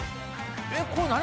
えっこれ何？